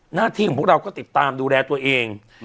หน้าที่ของพวกเราก็ติดตามดูแลตัวเอง